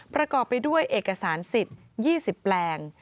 ประกอบไปด้วยเอกสารสิทธิ์๒๐แปลง